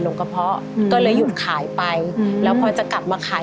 ด้วยเข้าโรงพยาบาลเป็นโควิดลงกระเพาะ